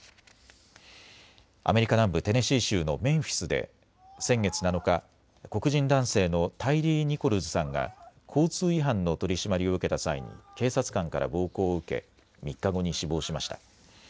アメリカ南部テネシー州のメンフィスで先月７日、黒人男性のタイリー・ニコルズさんが交通違反の取締りを受けた際に警察官から暴行を受け３日後に死亡しました。